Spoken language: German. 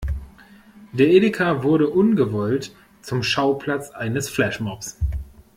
Der Edeka wurde ungewollt zum Schauplatz eines Flashmobs.